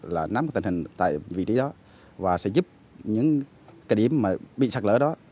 nắm tình hình tại vị trí đó và sẽ giúp những cái điểm bị sạt lở đó